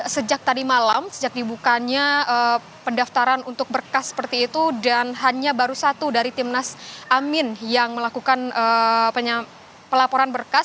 sejak tadi malam sejak dibukanya pendaftaran untuk berkas seperti itu dan hanya baru satu dari timnas amin yang melakukan pelaporan berkas